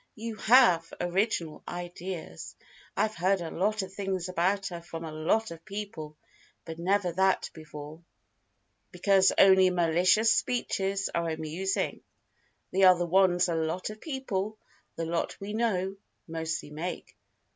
You have original ideas! I've heard a lot of things about her from a lot of people, but never that before." "Because only malicious speeches are amusing, they are the ones 'a lot of people' the lot we know mostly make."